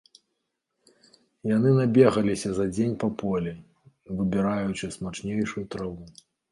Яны набегаліся за дзень па полі, выбіраючы смачнейшую траву.